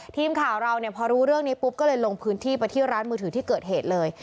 ทีมข่าวเราเนี่ยพอรู้เรื่องนี้ปุ๊บก็เลยลงพื้นที่ไปที่ร้านมือถือที่เกิดเหตุเลย